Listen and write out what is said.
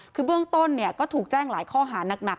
คือเบื้องต้นก็ถูกแจ้งหลายข้อหานัก